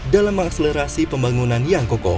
dalam mengakselerasi pembangunan yang kokoh